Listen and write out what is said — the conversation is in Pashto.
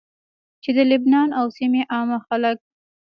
چې د لبنان او سيمي عامه خلک